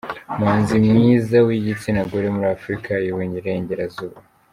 Umuhanzi mwiza w’igitsina gore muri Afurika y’Uburengerazuba.